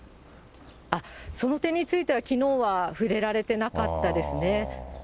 その点については、きのうは触れられてなかったですね。